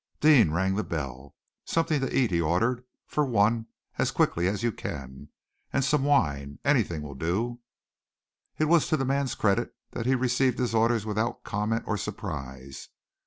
Deane rang the bell. "Something to eat," he ordered, "for one, as quickly as you can. And some wine anything will do." It was to the man's credit that he received his orders without comment or surprise.